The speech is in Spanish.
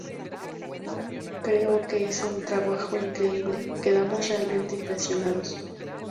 Creo que hizo un trabajo increíble, quedamos realmente impresionados.